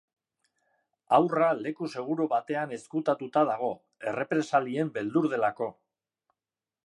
Haurra leku seguru batean ezkutatuta dago, errepresalien beldur delako.